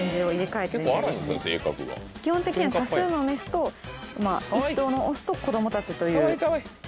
基本的には多数のメスと１頭のオスと子供たちという。